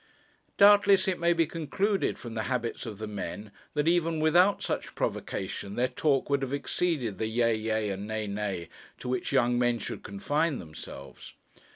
Doubtless it may be concluded from the habits of the men, that even without such provocation, their talk would have exceeded the yea, yea, and nay, nay, to which young men should confine themselves.